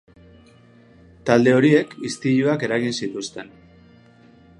Talde horiek istiluak eragin zituzten.